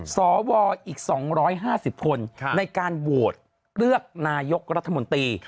สวอีก๒๕๐คนในการโหวตเลือกนายกรัฐมนตรี